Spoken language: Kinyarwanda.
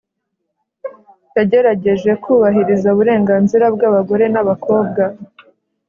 yagerageje kubahiriza uburenganzira bw’abagore n’abakobwa